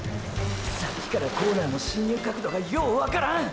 さっきからコーナーの進入角度がようわからん！！